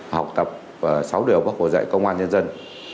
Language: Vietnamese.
học tập và sáu điều bác hồ dạy công an nhân dân